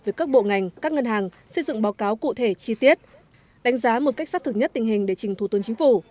với các bộ ngành các ngân hàng xây dựng báo cáo cụ thể chi tiết đánh giá một cách sát thực nhất tình hình để trình thủ tướng chính phủ